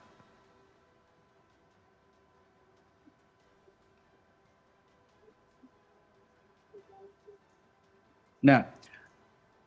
nah poin yang paling penting sebenarnya